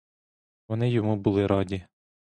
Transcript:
Вони йому були раді.